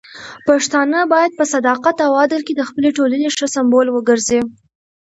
پښتانه بايد په صداقت او عدل کې د خپلې ټولنې ښه سمبول وګرځي.